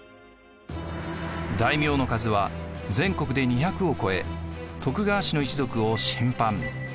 大名の数は全国で２００を超え徳川氏の一族を「親藩」